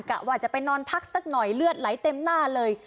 กะว่าจะไปนอนพักสักหน่อยเลือดไหลเต็มหน้าเลย